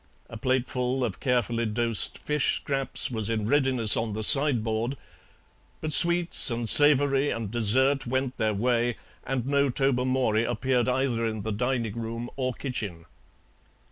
A plateful of carefully dosed fish scraps was in readiness on the sideboard, but sweets and savoury and dessert went their way, and no Tobermory appeared either in the dining room or kitchen.